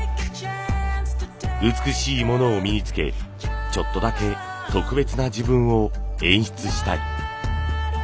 美しいものを身につけちょっとだけ特別な自分を演出したい。